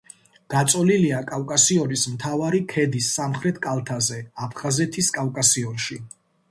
გაწოლილია კავკასიონის მთავარი ქედის სამხრეთ კალთაზე, აფხაზეთის კავკასიონში.